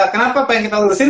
kenapa pengen kita lurusin